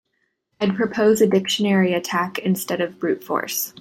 I'd propose a dictionary attack instead of brute force.